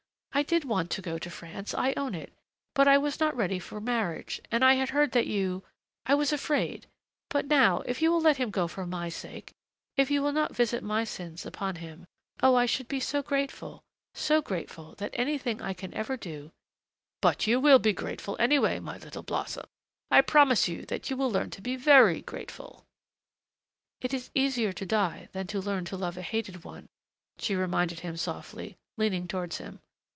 I did want to go to France I own it. And I was not ready for marriage. And I had heard that you I was afraid. But now if you will let him go for my sake, if you will not visit my sins upon him, oh, I should be so grateful so grateful that anything I can ever do " "But you will be grateful, anyway, my little blossom. I promise you that you will learn to be very grateful " "It is easier to die than to learn to love a hated one," she reminded him softly, leaning towards him.